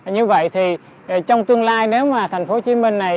như vậy thì trong tương lai nếu mà tp hcm này